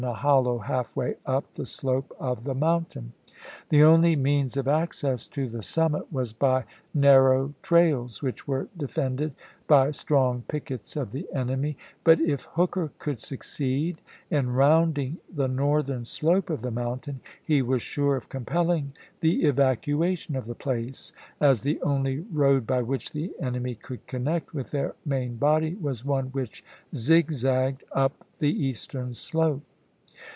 ^" a hollow half way up the slope of the mountain. p.'^sio." The only means of access to the summit was by narrow trails, which were defended by strong pickets of the enemy ; but if Hooker could succeed in rounding the northern slope of the mountain he was sure of compelling the evacuation of the place, as the only road by which the enemy could connect with their main body was one which zigzagged up the eastern slope.